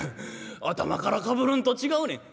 頭からかぶるんと違うねん。